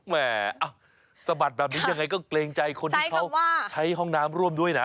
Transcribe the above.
แม่สะบัดแบบนี้ยังไงก็เกรงใจคนที่เขาใช้ห้องน้ำร่วมด้วยนะ